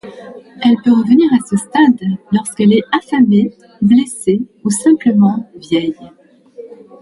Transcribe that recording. Elle peut revenir à ce stade lorsqu'elle est affamée, blessée ou simplement vieille.